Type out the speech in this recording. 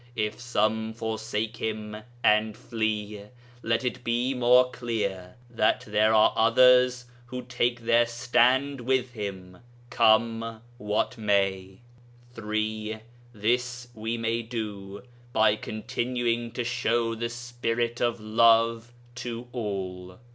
If some forsake Him and flee, let it be more clear that there are others who take their stand with Him, come what may. 3. This we may do by continuing to show the spirit of love to all.